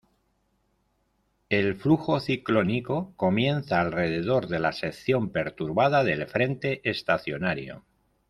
El flujo ciclónico comienza alrededor de la sección perturbada del frente estacionario.